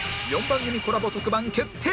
４番組コラボ特番決定！